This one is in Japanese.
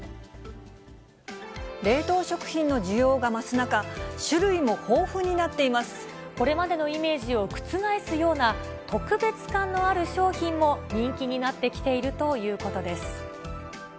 冷凍食品の需要が増す中、これまでのイメージを覆すような、特別感のある商品も人気になってきているということです。